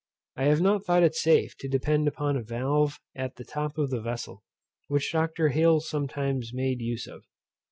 I have not thought it safe to depend upon a valve at the top of the vessel, which Dr. Hales sometimes made use of.